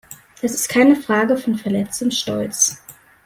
Das ist keine Frage von verletztem Stolz.